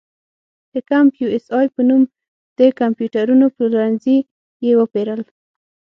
د کمپ یو اس اې په نوم د کمپیوټرونو پلورنځي یې وپېرل.